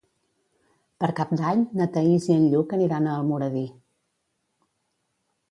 Per Cap d'Any na Thaís i en Lluc aniran a Almoradí.